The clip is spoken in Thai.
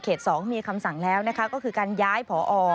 ๒มีคำสั่งแล้วนะคะก็คือการย้ายพอ